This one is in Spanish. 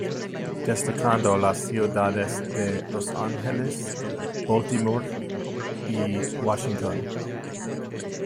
Destacando las ciudades de Los Ángeles, Baltimore y Washington.